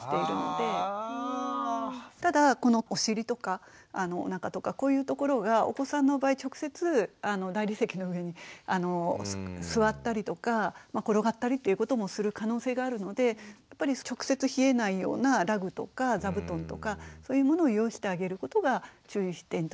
ただこのお尻とかおなかとかこういうところがお子さんの場合直接大理石の上に座ったりとか転がったりっていうこともする可能性があるのでやっぱり直接冷えないようなラグとか座布団とかそういうものを用意してあげることが注意点としては大切だと思います。